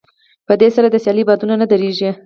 په دې سره د سيالۍ بادونه نه درېږي.